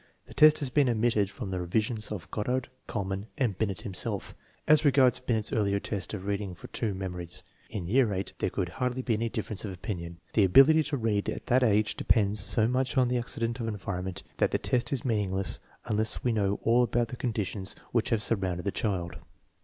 The test has been omitted from the revisions of Goddard, Kuhlmann, and Binet himself. As regards Binet's earlier test of reading for two memories, in year VIII, there could hardly be any difference of opinion. The ability to read at that age depends so much on the ac cident of environment that the test is meaningless unless we know all about the conditions which have surrounded the child.